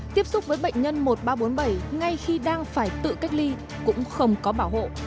tiếp xúc với bệnh nhân một nghìn ba trăm bốn mươi bảy ngay khi đang phải tự cách ly cũng không có bảo hộ